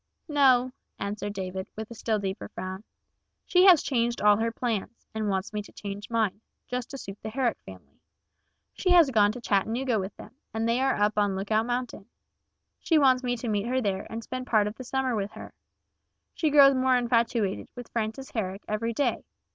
"No," answered David, with a still deeper frown. "She has changed all her plans, and wants me to change mine, just to suit the Herrick family. She has gone to Chattanooga with them, and they are up on Lookout Mountain. She wants me to meet her there and spend part of the summer with her. She grows more infatuated with Frances Herrick every day.